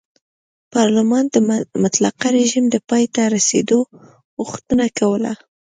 پارلمان د مطلقه رژیم د پای ته رسېدو غوښتنه کوله.